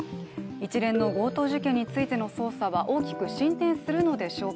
一連の強盗事件についての捜査は大きく進展するのでしょうか。